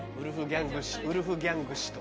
ウルフギャング氏と。